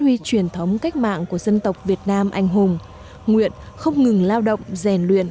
huy truyền thống cách mạng của dân tộc việt nam anh hùng nguyện không ngừng lao động rèn luyện